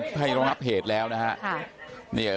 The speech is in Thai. ผู้ชมครับท่าน